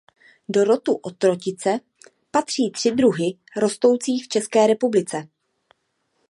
Do rodu okrotice patří tři druhy rostoucí v České republice.